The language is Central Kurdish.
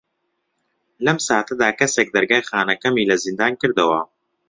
لەم ساتەدا کەسێک دەرگای خانەکەمی لە زیندان کردەوە.